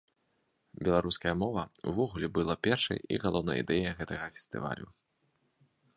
Беларуская мова ўвогуле была першай і галоўнай ідэяй гэтага фестывалю.